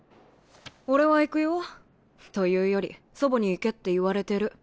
俺は行くよ。というより祖母に行けって言われてる。